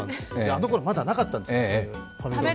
あのころ、まだなかったんです。